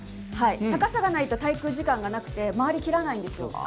高さがないと滞空時間がなくて回り切らないんですよ。